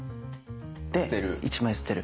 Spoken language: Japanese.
で１枚捨てる。